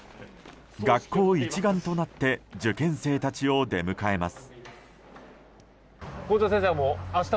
学校一丸となって受験生たちを出迎えます。